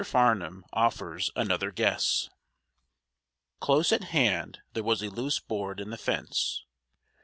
FARNUM OFFERS ANOTHER GUESS Close at hand there was a loose board in the fence.